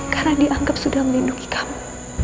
karena dianggap sudah melindungi kamu